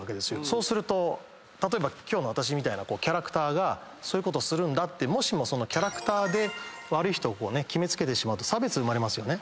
そうすると例えば今日の私みたいなキャラクターがそういうことするんだってもしもそのキャラクターで悪い人を決めつけてしまうと差別生まれますよね？